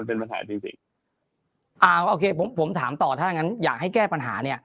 โอเคผมถามต่อถ้าอย่างนั้นอยากให้แก้ปัญหา